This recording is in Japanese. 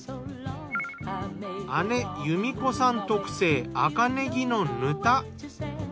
姉由美子さん特製赤ねぎのぬた。